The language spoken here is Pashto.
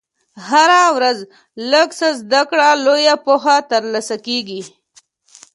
هره ورځ لږ څه زده کړه، لویه پوهه ترلاسه کېږي.